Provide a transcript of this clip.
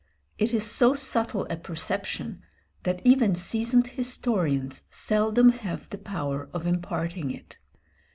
It is so subtle a perception that even seasoned historians seldom have the power of imparting it.